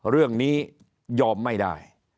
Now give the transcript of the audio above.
เรื่องนี้ยอมไม่ได้